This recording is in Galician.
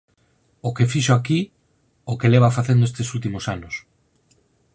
O que fixo aquí, o que leva facendo estes últimos anos